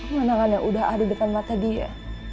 mana mana udah ada depan mata dia